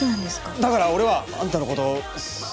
だから俺はあんたの事す。